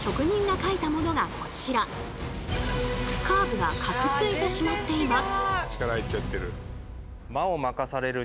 カーブが角ついてしまっています。